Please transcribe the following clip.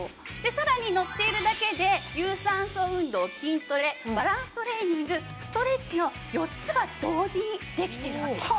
さらに乗っているだけで有酸素運動筋トレバランストレーニングストレッチの４つが同時にできてるわけです。